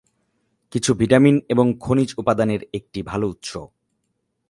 কিছু ভিটামিন এবং খনিজ উপাদানের একটি ভাল উৎস।